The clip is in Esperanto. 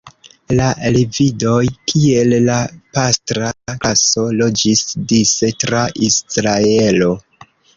La Levidoj, kiel la pastra klaso, loĝis dise tra Izraelo.